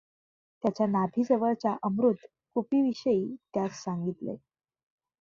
त्याच्या नाभीजवळच्या अमृत कुपीविषयी त्यास सांगितले.